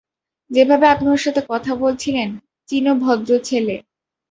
যেভাবে আপনি ওর সাথে কথা বলেছিলেন, চিনো ভদ্র ছেলে।